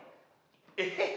えっ？